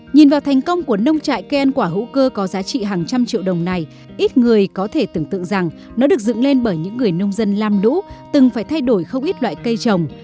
nhìn vào thành công của nông trại cây ăn quả hữu cơ có giá trị hàng trăm triệu đồng này ít người có thể tưởng tượng rằng nó được dựng lên bởi những người nông dân lam lũ từng phải thay đổi không ít loại cây trồng